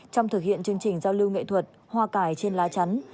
trong thực hiện chương trình giao lưu nghệ thuật hoa cải trên lá chắn